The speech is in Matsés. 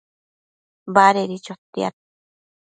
Badedi chotiad